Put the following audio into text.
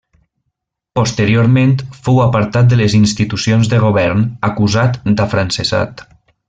Posteriorment fou apartat de les institucions de govern acusat d'afrancesat.